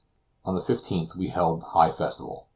On the 15th we held high festival.